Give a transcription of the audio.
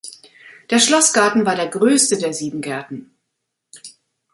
Der Schlossgarten war der größte der sieben Gärten.